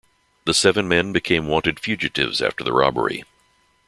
The seven men become wanted fugitives after the robbery.